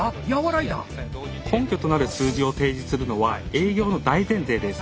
根拠となる数字を提示するのは営業の大前提です。